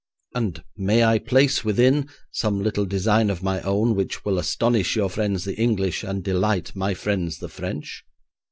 'And may I place within some little design of my own which will astonish your friends the English, and delight my friends the French?'